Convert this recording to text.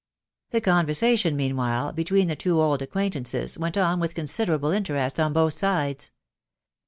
The conversation, meanwhile, between the two old acquaint ances, went on with considerable interest on both sides.